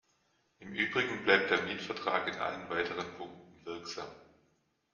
Im Übrigen bleibt der Mietvertrag in allen weiteren Punkten wirksam.